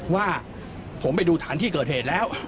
ว่าผมไปดูฐานที่เกิดเหตุแล้ว